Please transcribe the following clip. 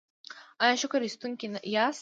ایا شکر ایستونکي یاست؟